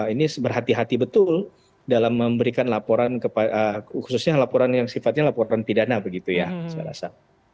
ini berhati hati betul dalam memberikan laporan khususnya laporan yang sifatnya laporan pidana begitu ya saya rasa